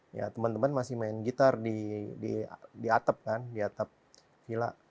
ya teman teman masih main gitar di atap kan di atap villa